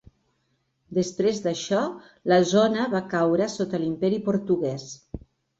Després d'això, la zona va caure sota l'Imperi portuguès.